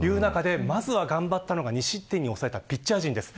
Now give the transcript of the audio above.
そんな中で、まず頑張ったのは２失点に抑えたピッチャー陣です。